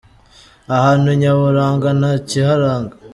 Ahantu nyaburanga nta kiharanga